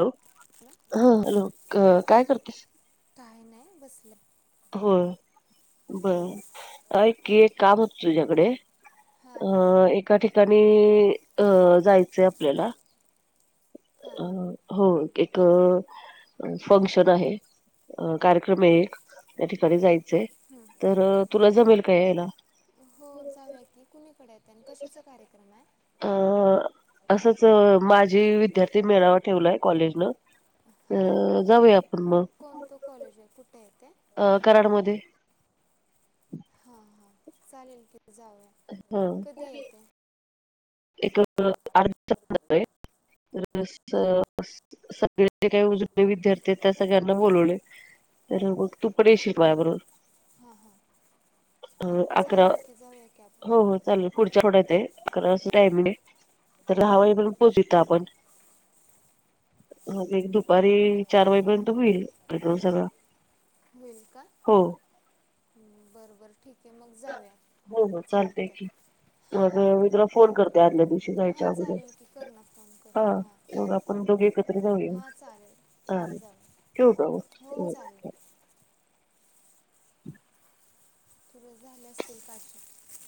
Hello hello हा hello काय करतेस. काही नाही बसलं. हो बरी एक काम होत तुझ्याकडे हां अ एका ठिकाणी अ जायचंय आपल्याला हां अ हो एक फंक्शन आहे कार्यक्रम आहे एक त्या ठिकाणी जायचंय हं. तर तुला जमेल का यायला. हो जाऊया की कुणीकडे येते आणि कशाचा कार्यक्रम आहे अ असंच माझी विद्यार्थी मेळावा ठेवलाय कॉलेजनं हां अ जाऊया आपण मग कोणतं कॉलेज आहे कुठे येते अं कराडमध्ये हां चालेल कि हम एक तर सगळे ज काही उज विद्यार्थी आहेत त्या सगळ्यांना बोलवले तर मग तूपे शिक माया बरोबर. हां हां हो चालेल की जाऊया की आपण चालेल पुढच्या आठवड्यात आहे अकरा वाजता टायमिंग तर हां दहा वाजेपर्यंत पोहोच आपण एक दुपारी चार वाजेपर्यंत होईल सगळं. होईल का् बरोबर ठीक. आहे मग जाऊया हो हो चालतेय चालतंय की मग मी हां तुला फोन करते आदल्या दिवशी हां जायच्या अगोद चालेल की कर ना फोन कर हा हां मग आपण दोघे एकत्र हां चालेल जाऊया हां जाऊ ठेव हो जाऊ. चालेल तुरस झाले असतील पाश